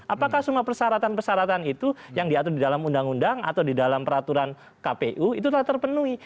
apakah semua persyaratan persyaratan itu yang diatur di dalam undang undang atau di dalam peraturan kpu itu telah terpenuhi